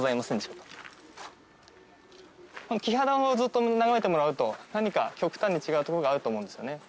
木肌をずっと眺めてもらうと何か極端に違うところがあると思うんですよね。